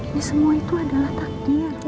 ini semua itu adalah takdir